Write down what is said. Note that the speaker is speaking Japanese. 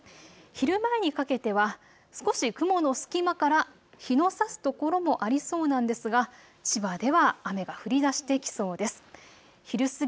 昼前にかけては少し雲の隙間から日のさす所もありそうなんですが千葉では雨が降りだしてきそうです。